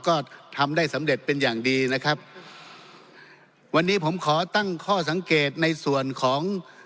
ก็ทำได้สำเร็จเป็นอย่างดีนะครับวันนี้ผมขอตั้งข้อสังเกตในส่วนของ